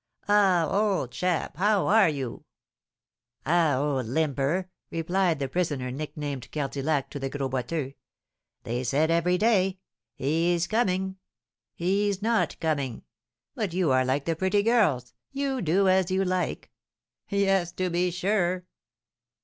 "Ah, old chap, how are you?" "Ah, old limper," replied the prisoner nicknamed Cardillac to the Gros Boiteux; "they said every day, 'He's coming he's not coming!' But you are like the pretty girls, you do as you like." "Yes, to be sure."